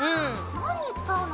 何に使うの？